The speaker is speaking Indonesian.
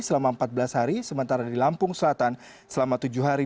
selama empat belas hari sementara di lampung selatan selama tujuh hari